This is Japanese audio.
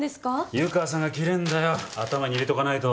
湯川さんがキレんだよ頭に入れとかないと。